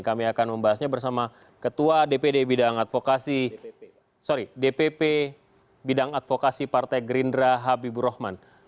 kami akan membahasnya bersama ketua dpd bidang advokasi partai gerindra habibur rahman